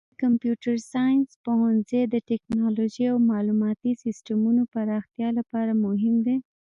د کمپیوټر ساینس پوهنځی د تکنالوژۍ او معلوماتي سیسټمونو پراختیا لپاره مهم دی.